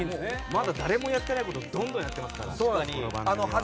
まだ誰もやっていないことどんどんやっていますからこの番組は。